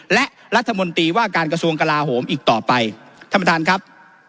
และรัฐมนตรีว่าการกระทรวงกลาโหมอีกต่อไปท่านประธานครับ